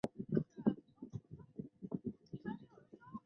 加瑞根很欣赏阿敏的魅力和建立平等国家的抱负。